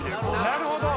なるほど！